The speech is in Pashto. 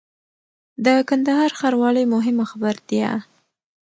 د کندهار ښاروالۍ مهمه خبرتيا